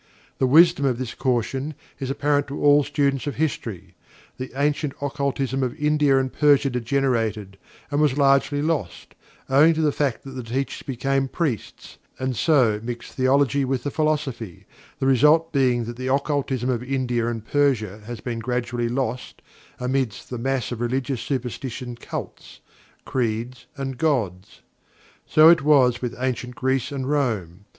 The wisdom of this caution is apparent to all students of history. The ancient occultism of India and Persia degenerated, and was largely lost, owing to the fact that the teachers became priests, and so mixed theology with the philosophy, the result being that the occultism of India and Persia has been gradually lost amidst the mass of religious superstition, cults, creeds and "gods." So it was with Ancient Greece and Rome.